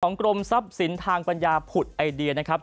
กรมทรัพย์สินทางปัญญาผุดไอเดียนะครับ